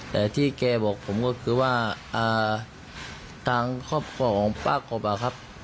แต่ที่แกบอกผมก็คือว่าทางครอบครัวของป้ากบอะครับ